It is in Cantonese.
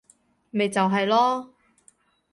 咪就係囉